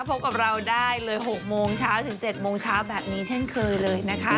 พบกับเราได้เลย๖โมงเช้าถึง๗โมงเช้าแบบนี้เช่นเคยเลยนะคะ